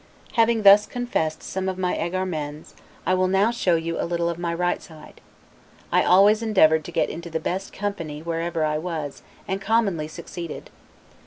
Having thus confessed some of my 'egaremens', I will now show you a little of my right side. I always endeavored to get into the best company wherever I was, and commonly succeeded.